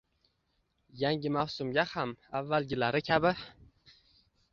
Yangi mavsumga ham avvalgilari kabi